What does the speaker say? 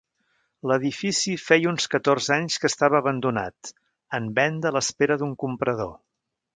L'edifici feia uns catorze anys que estava abandonat, en venda a l'espera d'un comprador.